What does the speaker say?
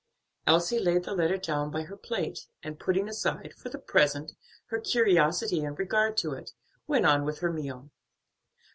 Elsie laid the letter down by her plate, and putting aside, for the present, her curiosity in regard to it, went on with her meal.